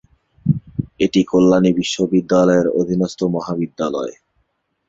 এটি কল্যাণী বিশ্ববিদ্যালয়ের অধীনস্থ মহাবিদ্যালয়।